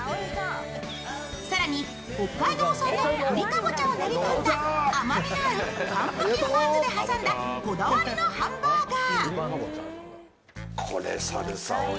更に、北海道産の栗かぼちゃを練り込んだ甘みのあるパンプキンバンズで挟んだこだわりのハンバーガー。